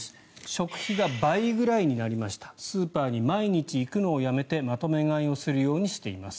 食費が倍くらいになりましたスーパーに毎日行くのをやめてまとめ買いをするようにしています。